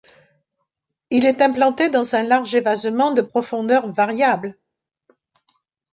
Il est implanté dans un large évasement de profondeur variable.